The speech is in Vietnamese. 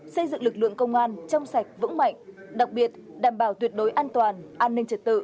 xây dựng lực lượng công an trong sạch vững mạnh đặc biệt đảm bảo tuyệt đối an toàn an ninh trật tự